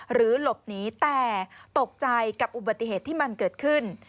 หรือหลบหนีแต่ตกใจกับอุบัติเหตุที่มันเกิดขึ้น